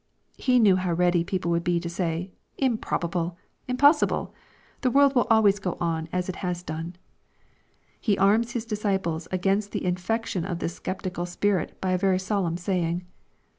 He knew how ready people would be to say " Improbable I impos sible ! The world will always go on as it has done." He arms His disciples against the infection of this sceptical spirit by a very solemn saying.